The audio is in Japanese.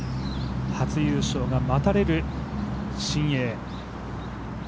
初優勝が待たれる新鋭。